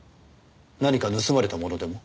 何か盗まれたものでも？